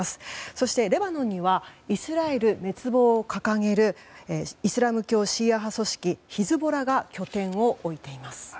そして、レバノンにはイスラエル滅亡を掲げるイスラム教シーア派組織ヒズボラが拠点を置いています。